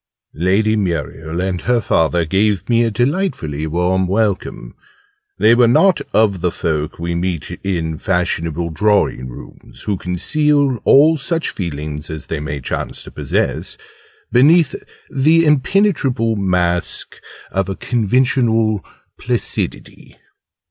Lady Muriel and her father gave me a delightfully warm welcome. They were not of the folk we meet in fashionable drawing rooms who conceal all such feelings as they may chance to possess beneath the impenetrable mask of a conventional placidity.